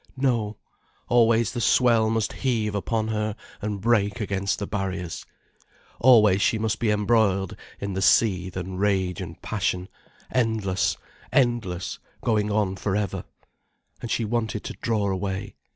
No, always the swell must heave upon her and break against the barriers. Always she must be embroiled in the seethe and rage and passion, endless, endless, going on for ever. And she wanted to draw away.